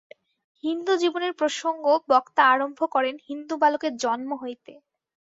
হিন্দু-জীবনের প্রসঙ্গ বক্তা আরম্ভ করেন হিন্দু-বালকের জন্ম হইতে।